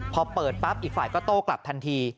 พอเปิดปั๊บอีกฝ่ายก็โต้กลับทันที